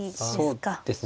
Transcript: そうですね。